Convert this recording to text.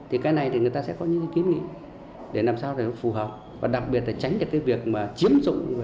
thì cái này thì người ta sẽ có những cái kiến nghị để làm sao để nó phù hợp và đặc biệt là tránh được cái việc mà chiếm dụng